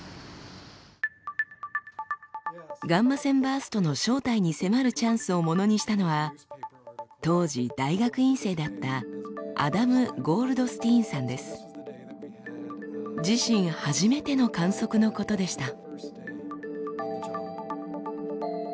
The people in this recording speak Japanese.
ガンマ線バーストの正体に迫るチャンスをものにしたのは当時大学院生だった自身初めての観測のことでした。